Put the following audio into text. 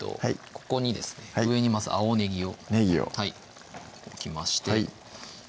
ここにですね上にまず青ねぎをねぎを置きましてはい